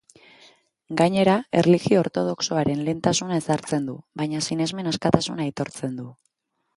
Gainera, erlijio ortodoxoaren lehentasuna ezartzen du, baina sinesmen askatasuna aitortzen du.